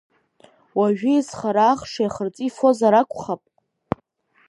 Уажәы изхара ахши ахырҵәи ифозар акәхап.